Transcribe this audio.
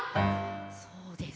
そうです。